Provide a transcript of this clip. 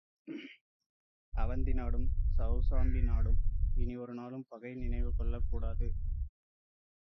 அவந்தி நாடும் செளசாம்பி நாடும் இனி ஒரு நாளும் பகை நினைவுகொள்ளக் கூடாது.